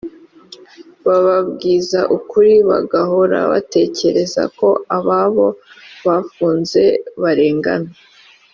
bababwiza ukuri bagahora batekereza ko ababo bafunze barengana